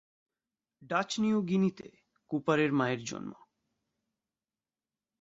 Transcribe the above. Dutch New গায়ানায় কুপারের মায়ের জন্ম।